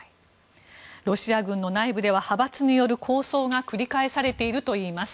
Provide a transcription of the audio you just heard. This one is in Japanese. ロシア軍の内部では派閥による抗争が繰り返されているといいます。